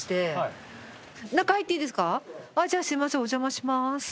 お邪魔します。